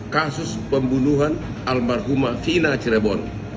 kasus pembunuhan almarhumah sina cirebon